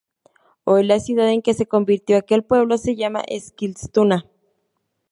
Hoy la ciudad en que se convirtió aquel pueblo se llama Eskilstuna.